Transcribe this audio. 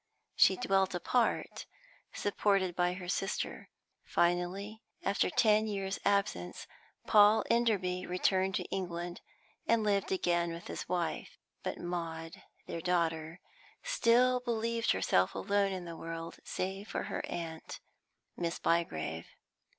She dwelt apart, supported by her sister. Finally, after ten years' absence, Paul Enderby returned to England, and lived again with his wife. But Maud, their daughter, still believed herself alone in the world, save for her aunt, Miss Bygrave.